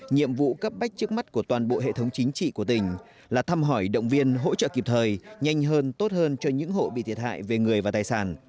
nhiệm vụ cấp bách trước mắt của toàn bộ hệ thống chính trị của tỉnh là thăm hỏi động viên hỗ trợ kịp thời nhanh hơn tốt hơn cho những hộ bị thiệt hại về người và tài sản